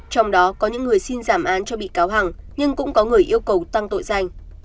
trong đó có những người xin giảm án cho bị cáo hằng nhưng cũng có người yêu cầu tăng tội danh